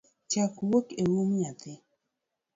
Chak wuok eum nyathi